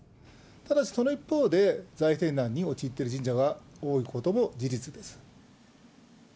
ただしその一方で、財政難に陥っている神社が多いことも事実です。